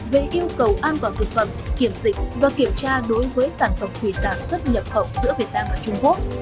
về yêu cầu an toàn thực phẩm kiểm dịch và kiểm tra đối với sản phẩm thủy sản xuất nhập khẩu giữa việt nam và trung quốc